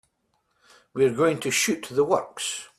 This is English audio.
We're going to shoot the works.